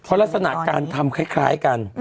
เพราะลักษณะการทำคล้ายกัน